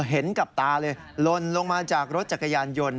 เห็นกับตาเลยลนลงมาจากรถจักรยานยนต์